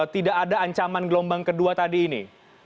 tidak ada ancaman gelombang kedua tadi ini